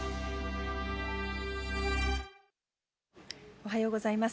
おはようございます。